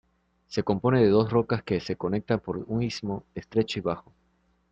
Se compone de dos rocas que se conectan por un istmo estrecho y bajo.